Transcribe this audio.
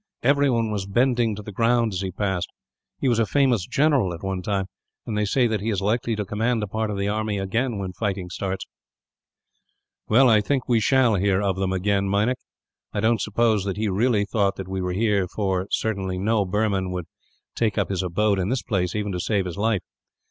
Everyone was bending to the ground, as he passed. He was a famous general, at one time; and they say that he is likely to command a part of the army, again, when fighting begins." "Well, I think that we shall hear of them again, Meinik. I don't suppose that he really thought that we were here for, certainly, no Burman would take up his abode in this place, even to save his life.